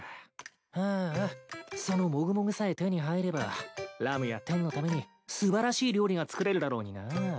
ああそのモグモグさえ手に入ればラムやテンのために素晴らしい料理が作れるだろうになぁ。